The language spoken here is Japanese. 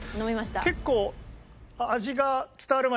結構。